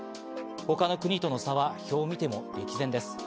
他の国との差は表を見ても歴然です。